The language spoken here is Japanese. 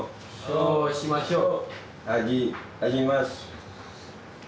そうしましょう。